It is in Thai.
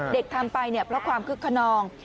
เด็กทำไปเพราะความคึกขนอง